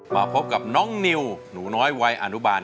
มาพบกับน้องนิวหนูน้อยวัยอนุบาล